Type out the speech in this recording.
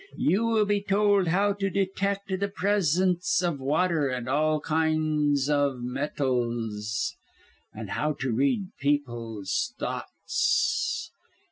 You will be told how to detect the presence of water and all kinds of metals, and how to read people's thoughts.